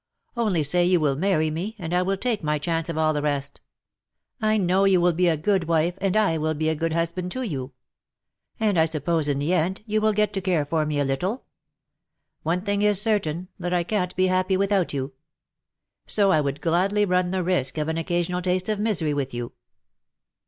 Only say you will marry me, and I will take my chance of all the rest. I know you will be a good wife ; and I will be a good husband to you. And I 122 suppose in the end you will get to care for me, a little. One thing is certain, that I canH be happy without you ; so I would gladly run the risk of an occasional taste of misery with you.